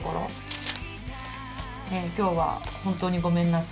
「今日は本当にごめんなさい。